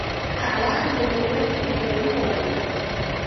قلم د ټولنې بیداري راولي